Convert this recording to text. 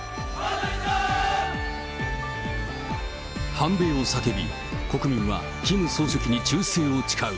反米を叫び、国民はキム総書記に忠誠を誓う。